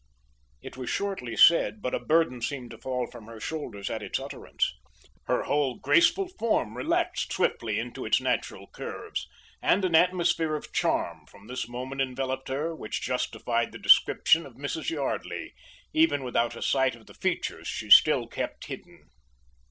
It was shortly said, but a burden seemed to fall from her shoulders at its utterance. Her whole graceful form relaxed swiftly into its natural curves, and an atmosphere of charm from this moment enveloped her, which justified the description of Mrs. Yardley, even without a sight of the features she still kept hidden.